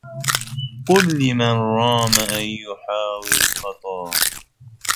قل لمن رام أن يحاول خطا